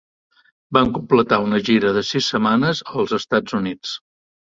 Van completar una gira de sis setmanes als Estats Units.